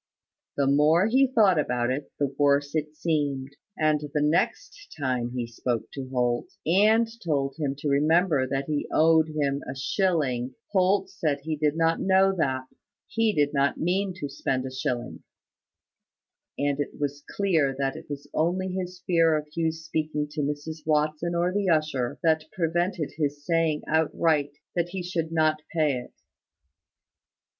The more he thought about it, the worse it seemed; and the next time he spoke to Holt, and told him to remember that he owed him a shilling, Holt said he did not know that, he did not mean to spend a shilling; and it was clear that it was only his fear of Hugh's speaking to Mrs Watson or the usher, that prevented his saying outright that he should not pay it.